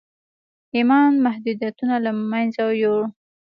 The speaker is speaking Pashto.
ايمان محدوديتونه له منځه وړي.